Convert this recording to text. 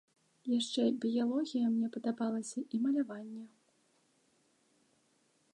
Яшчэ біялогія мне падабалася і маляванне.